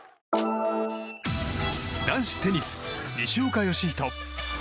男子テニス、西岡良仁。